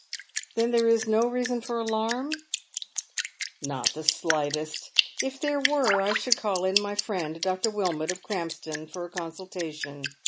" Then there is no reasoii for alarm ?"" Not the slightest. If there were I should call in my friend, Dr. Wilmot, of Krampston, for a consultation.